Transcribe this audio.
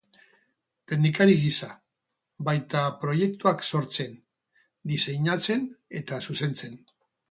Teknikari gisa, baita proiektuak sortzen, diseinatzen eta zuzentzen.